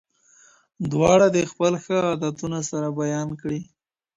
دواړه دې خپل ښه عادتونه سره بيان کړي.